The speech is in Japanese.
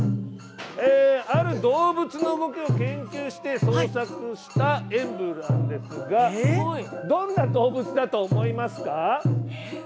ある動物の動きを研究して創作した演舞なんですがどんな動物だと思いますか？